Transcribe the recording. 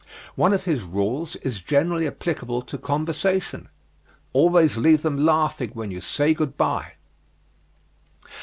One of his rules is generally applicable to conversation: "Always leave them laughing when you say good bye."